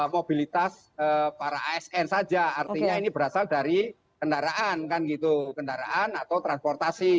mobilitas para asn saja artinya ini berasal dari kendaraan kan gitu kendaraan atau transportasi